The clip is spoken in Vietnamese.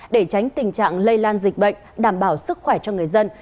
để tránh tình trạng lây lan dịch bệnh đảm bảo sức khỏe cho người dân